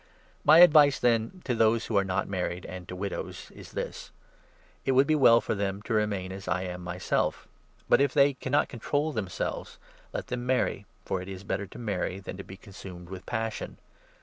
My advice, then, to those who are not married, and to 8 widows, is this :— It would be well for them to remain as I am myself. But, if they cannot control themselves, let them 9 marry, for it is better to marry than to be consumed with passion.